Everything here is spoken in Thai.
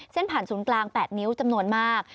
ผ่านศูนย์กลาง๘นิ้วจำนวนมาก